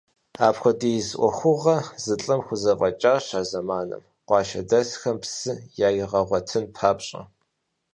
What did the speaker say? Апхуэдиз ӏуэхугъуэ зы лӏым хузэфӏэкӏащ а зэманым, къуажэдэсхэм псы яригъэгъуэтын папщӏэ.